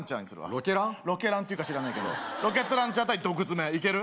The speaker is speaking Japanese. ロケランって言うか知らないけどロケットランチャー対毒爪いける？